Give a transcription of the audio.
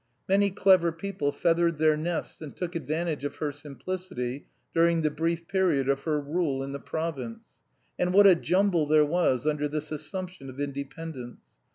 Many clever people feathered their nests and took advantage of her simplicity during the brief period of her rule in the province. And what a jumble there was under this assumption of independence!